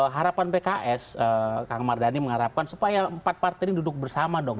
harapan pks kang mardani mengharapkan supaya empat partai ini duduk bersama dong